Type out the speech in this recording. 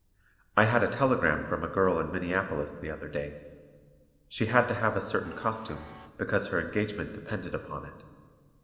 I had a telegram from a girl in Minneapolis the other day. She had to have a certain costume, because her engagement depended upon it.